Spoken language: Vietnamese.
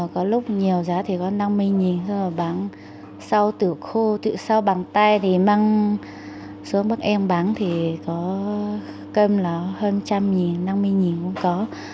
có lúc nhiều giá thì có năm mươi nghìn sau bằng tay thì mang xuống bác em bán thì có cân là hơn một trăm linh nghìn năm mươi nghìn cũng có